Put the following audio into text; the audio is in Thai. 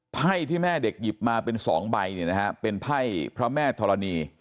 ไพ่ที่แม่เด็กหยิบมาเป็น๒ใบเป็นไพ่พระแม่ธรณี